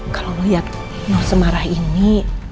kalau lo lihat nus semarah ini